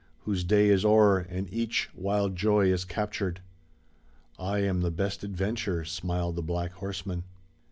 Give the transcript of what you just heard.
Whose day is o'er and each wild joy is captured. ^^I am the best adventure," smiled the black horseman.